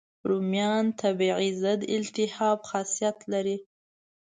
رومیان طبیعي ضد التهاب خاصیت لري.